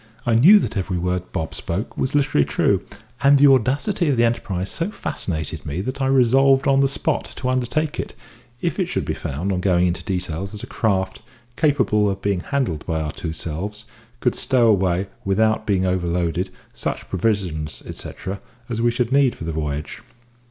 I knew that every word Bob spoke was literally true, and the audacity of the enterprise so fascinated me that I resolved on the spot to undertake it, if it should be found, on going into details, that a craft, capable of being handled by our two selves, could stow away, without being overloaded, such provisions; etcetera, as we should need for the voyage.